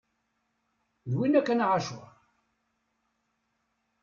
D winna kan a Ɛacur!